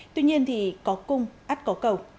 tuy nhiên thì có cung át có cầu